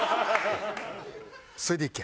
それでいけ。